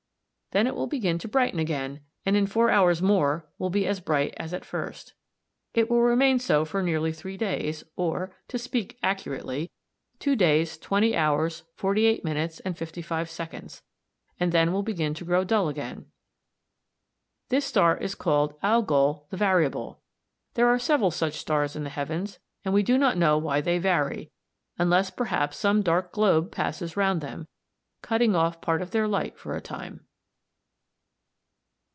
Then it will begin to brighten again, and in four hours more will be as bright as at first. It will remain so for nearly three days, or, to speak accurately, 2 days, 20 hours, 48 minutes, and 55 seconds, and then will begin to grow dull again. This star is called Algol the Variable. There are several such stars in the heavens, and we do not know why they vary, unless perhaps some dark globe passes round them, cutting off part of their light for a time.